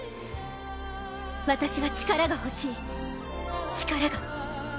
私は力が欲しい力が。